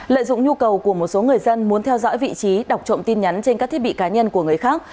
lợi dụng nhu cầu của một số người dân muốn theo dõi vị trí đọc trộm tin nhắn trên các thiết bị cá nhân của người khác